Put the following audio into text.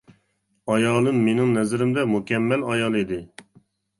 ئايالىم مېنىڭ نەزىرىمدە مۇكەممەل ئايال ئىدى.